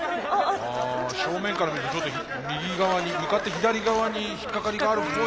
正面から見るとちょっと右側に向かって左側に引っ掛かりがあるっぽいですね。